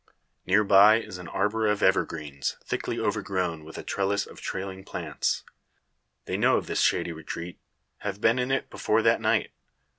Near by is an arbour of evergreens, thickly overgrown with a trellis of trailing plants. They know of this shady retreat; have been in it before that night.